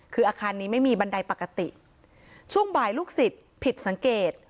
คืออาคารนี้ไม่มีบันไดปกติช่วงบ่ายลูกศิษย์ผิดสังเกต